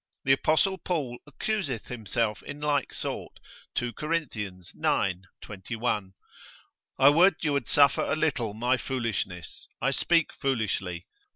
The apostle Paul accuseth himself in like sort, 2 Cor. ix. 21. I would you would suffer a little my foolishness, I speak foolishly.